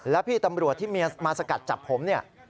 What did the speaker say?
แล้วพี่ตำรวจที่เมียมาสกัดจับผมเนี่ย